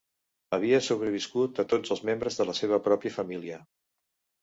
Havia sobreviscut a tots els membres de la seva pròpia família.